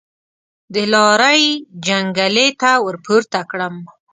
د لارۍ جنګلې ته ورپورته کړم.